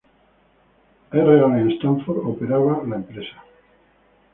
R. Allen Stanford operaba la empresa.